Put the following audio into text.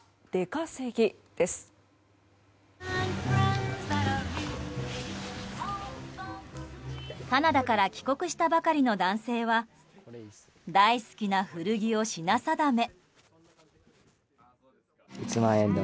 カナダから帰国したばかりの男性は大好きな古着を品定め。